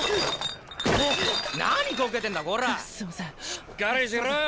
しっかりしろよ。